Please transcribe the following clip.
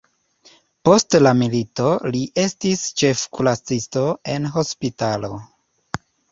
Post la milito li estis ĉefkuracisto en hospitalo.